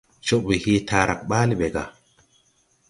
Cɔɓwɛ hee taarag ɓaale ɓɛ gà.